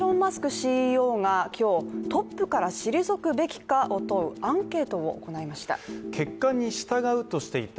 ＣＥＯが今日、トップから退くべきかを問うアンケートを行いました。